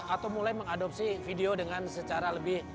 atau mulai mengadakan pelanggan yang berpenggunaan mobile